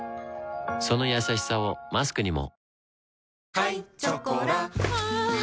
そのやさしさをマスクにも